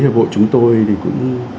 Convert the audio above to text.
hiệp hội chúng tôi thì cũng